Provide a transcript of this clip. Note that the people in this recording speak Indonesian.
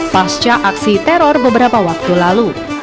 pasca aksi teror beberapa waktu lalu